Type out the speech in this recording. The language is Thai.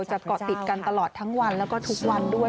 เกาะติดกันตลอดทั้งวันแล้วก็ทุกวันด้วย